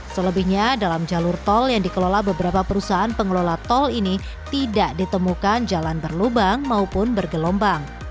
selebihnya dalam jalur tol yang dikelola beberapa perusahaan pengelola tol ini tidak ditemukan jalan berlubang maupun bergelombang